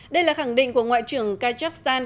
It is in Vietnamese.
đây là khẳng định của ngoại trưởng kazakhstan